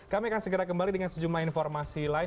kami akan segera kembali dengan sejumlah informasi lain